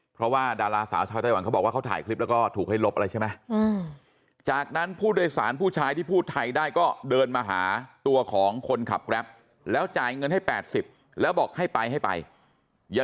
เพราะว่าดาราสาวชาวไต้หวันเขาบอกว่าเขาถ่ายคลิปแล้วก็ถูกให้ลบอะไรใช่ไหม